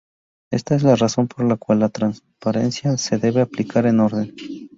Esta es la razón por la cual la transparencia se debe aplicar en orden.